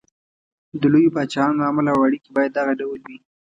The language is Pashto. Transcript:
د لویو پاچاهانو عمل او اړېکې باید دغه ډول وي.